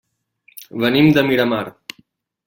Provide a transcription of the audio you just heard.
Venim de Miramar.